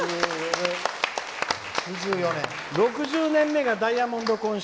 「６０年目がダイヤモンド婚式。